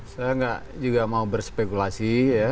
saya tidak juga mau berspekulasi